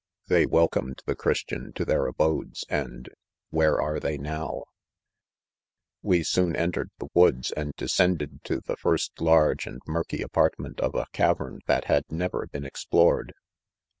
They wel comed the christian to their abodes and — where Ere they now 3 ■ We soon entered the woods, and descended to the first large and murky apartment of a cavern that had never been explored.